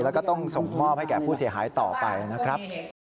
แล้วก็ต้องส่งมอบให้แก่ผู้เสียหายต่อไปนะครับ